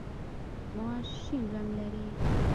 ماش شین رنګ لري.